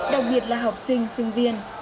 đặc biệt là học sinh sinh viên